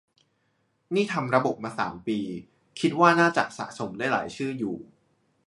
นี่ทำระบบมาสามปี คิดว่าน่าจะสะสมได้หลายชื่ออยู่